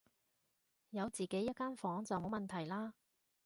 有自己一間房就冇問題啦